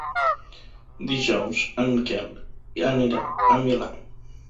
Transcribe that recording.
Dijous en Quel anirà al Milà.